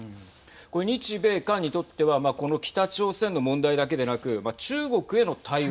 これ日米韓にとってはこの北朝鮮の問題だけでなく、中国への対応